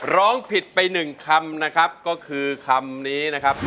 ร้องผิดไปหนึ่งคำนะครับก็คือคำนี้นะครับ